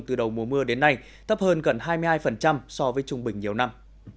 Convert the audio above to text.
từ đầu mùa mưa đến nay thấp hơn gần hai mươi hai so với trung bình nhiều năm